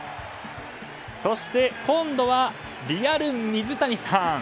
そして、今度はリアル水谷サン。